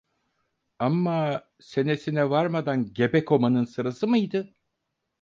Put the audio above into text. Amma senesine varmadan gebe komanın sırası mıydı?